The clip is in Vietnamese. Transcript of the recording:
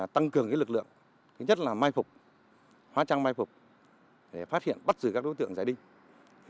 tăng cường lực lượng thứ nhất là mai phục hóa trang mai phục để phát hiện bắt giữ các đối tượng giải đinh